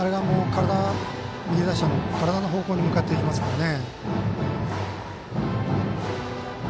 右打者の体の方向に向かっていきますからね。